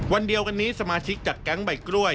วันเดียวกันนี้สมาชิกจัดแก๊งใบกล้วย